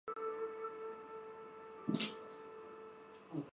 满语名词分成单数和众数两种。